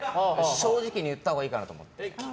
正直に言ったほうがいいかなと思って。